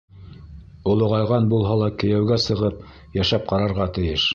Олоғайған булһа ла кейәүгә сығып йәшәп ҡарарға тейеш.